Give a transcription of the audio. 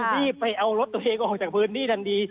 รีบไปเอารถตัวเองออกจากพื้นที่ทันที